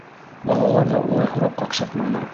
Балалар ҙа улай һорап ҡаҡшатманы.